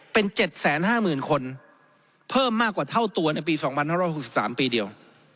เป็น๗๕๐๐๐คนเพิ่มมากกว่าเท่าตัวในปี๒๕๖๓ปีเดียว